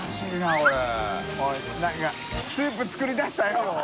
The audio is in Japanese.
おい何かスープ作り出したよ